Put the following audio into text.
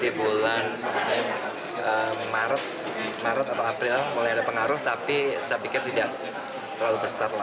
jadi pada bulan maret atau april mulai ada pengaruh tapi saya pikir tidak terlalu besar